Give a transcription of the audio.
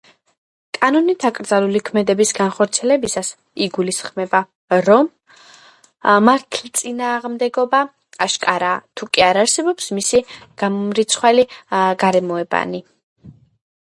კანონით აკრძალული ქმედების განხორციელებისას იგულისხმება, რომ მართლწინააღმდეგობა აშკარაა, თუკი არ არსებობს მისი გამომრიცხველი გარემოებანი.